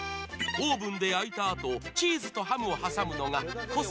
オーブンで焼いた後チーズとハムを挟むのがコス